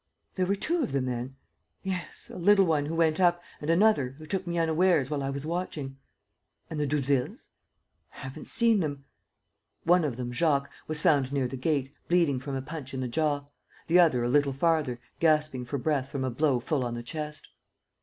"There were two of them then?" "Yes, a little one, who went up, and another, who took me unawares while I was watching." "And the Doudevilles?" "Haven't seen them." One of them, Jacques, was found near the gate, bleeding from a punch in the jaw; the other a little farther, gasping for breath from a blow full on the chest.